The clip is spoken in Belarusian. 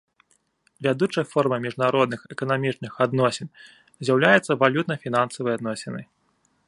Вядучай формай міжнародных эканамічных адносін з'яўляецца валютна-фінансавыя адносіны.